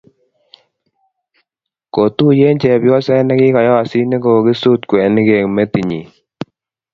kotuyien chepyose ni kikoyosit nekokisut kwenik eng' metit nyin.